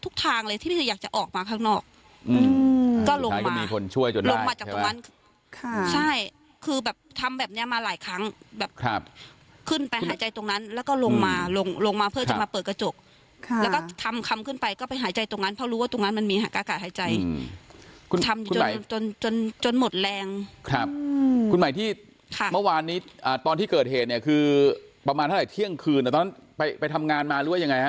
ค่ะใช่คือแบบทำแบบเนี้ยมาหลายครั้งแบบครับขึ้นไปหายใจตรงนั้นแล้วก็ลงมาลงลงมาเพื่อจะมาเปิดกระจกค่ะแล้วก็ทำคำขึ้นไปก็ไปหายใจตรงนั้นเพราะรู้ว่าตรงนั้นมันมีค่ะอากาศหายใจอืมทำจนจนจนหมดแรงครับคุณหมายที่ค่ะเมื่อวานนี้อ่าตอนที่เกิดเหตุเนี้ยคือประมา